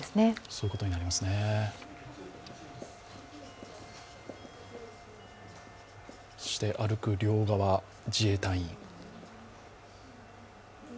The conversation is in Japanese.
そして歩く両側、自衛隊員。